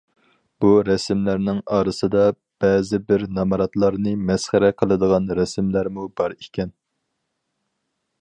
بۇ رەسىملەرنىڭ ئارىسىدا بەزى بىر نامراتلارنى مەسخىرە قىلىدىغان رەسىملەرمۇ بار ئىكەن.